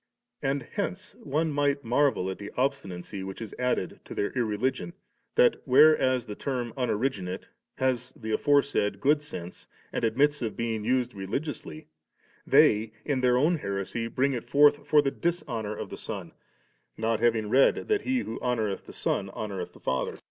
And hence one might marvel at the obstinacy which is added to their irreligion, that, where as the term ' unoriginate ' has the aforesaid good sense, and admits of being used religiously 3, they, in their own heresy, bring it forth for the dishonour of the Son, not having read that he who honoureth the Son honoureth the Father, inir.